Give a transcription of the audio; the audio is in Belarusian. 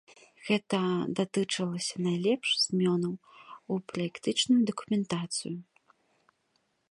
Гэта датычылася найперш зменаў у праектную дакументацыю.